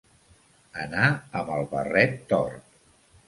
Anar amb el barret tort.